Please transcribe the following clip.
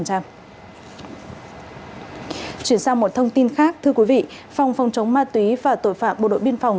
chuyển sang một thông tin khác thưa quý vị phòng phòng chống ma túy và tội phạm bộ đội biên phòng